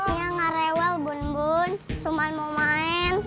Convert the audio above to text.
nia gak rewel bun bun cuma mau main